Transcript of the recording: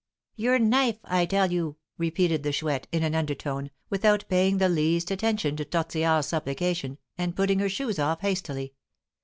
"Your knife, I tell you!" repeated the Chouette, in an undertone, without paying the least attention to Tortillard's supplication, and putting her shoes off hastily.